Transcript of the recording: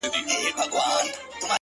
ځكه چي دا خو د تقدير فيصله ـ